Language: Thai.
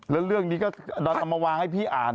แล้วเรื่องนี้ก็เราเอามาวางให้พี่อ่าน